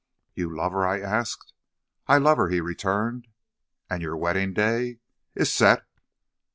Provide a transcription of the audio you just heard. "'You love her?' I asked. "'I love her,' he returned. "'And your wedding day ' "'Is set.'